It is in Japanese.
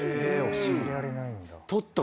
教えられないんだ。